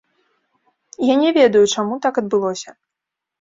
Я не ведаю, чаму так адбылося.